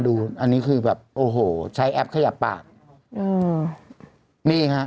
ดูอันนี้คือแบบโอ้โหใช้แอปขยับปากอืมนี่ฮะ